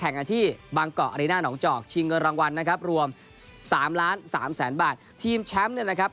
ในบางกล่ออาริน่าหนองเจราะชิงเงินรางวัลรวม๓ล้าน๓แสนบาททีมแชมป์นะครับ